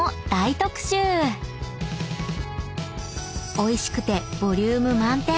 ［おいしくてボリューム満点！